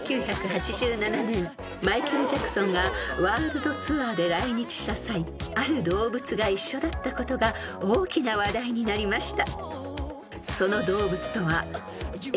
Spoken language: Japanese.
［マイケル・ジャクソンがワールドツアーで来日した際ある動物が一緒だったことが大きな話題になりました］